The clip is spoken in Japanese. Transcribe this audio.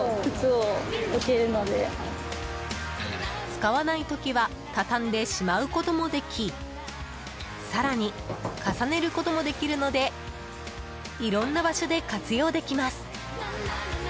使わない時は畳んでしまうこともでき更に重ねることもできるのでいろんな場所で活用できます。